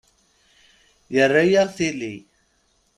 Yerra-yaɣ tili.